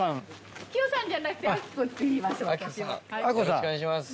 よろしくお願いします。